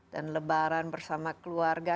dan lebaran bersama keluarga